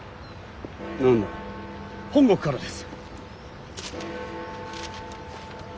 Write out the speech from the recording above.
何だ？本国からです。